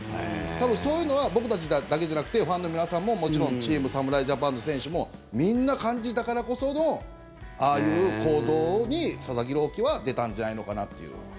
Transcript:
多分そういうのは僕たちだけじゃなくてファンの皆さんももちろんチーム侍ジャパンの選手もみんな感じたからこそのああいう行動に佐々木朗希は出たんじゃないのかなっていう。